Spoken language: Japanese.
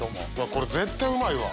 これ絶対うまいわ。